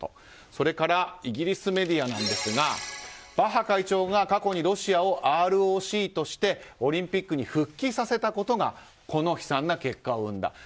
それからイギリスメディアですがバッハ会長が過去にロシアをＲＯＣとしてオリンピックに復帰させたことがこの悲惨な結果を生んだ。